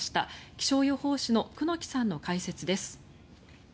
気象予報士の久能木さんの解説です。